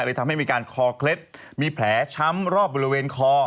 ทำให้มีการคอเคล็ดมีแผลช้ำรอบบริเวณคอ